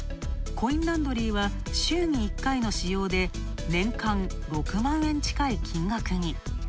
コインランドリーは、週に１回の使用で年間６万円近い金額に。